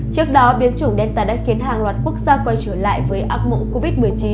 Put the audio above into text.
trước đó biến chủng đen tài đã khiến hàng loạt quốc gia quay trở lại với ác mộng covid một mươi chín